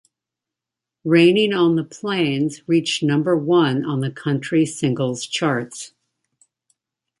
"Raining on the Plains" reached number one on the country singles charts.